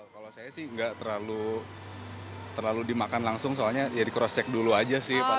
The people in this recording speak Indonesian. kalau saya sih nggak terlalu dimakan langsung soalnya ya di cross check dulu aja sih